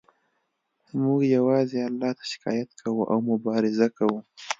موږ یوازې الله ته شکایت کوو او مبارزه کوو